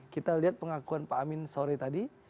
kita lihat pengakuan pak amin sore tadi